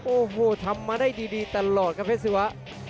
โอ้โหทำมาได้ดีตลอดครับเพชรศิวะ